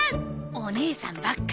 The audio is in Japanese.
お姉さんばっか。